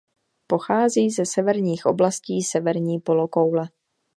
Pochází ze severních oblastí severní polokoule.